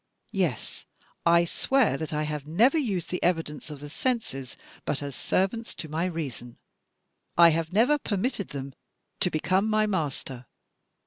Yes, I swear that I have never used the evi dence of the senses but as servants to my reason. I have never per mitted them to become my master.